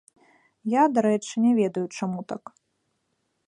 Я, дарэчы, не ведаю, чаму так.